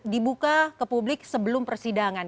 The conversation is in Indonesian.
dibuka ke publik sebelum persidangan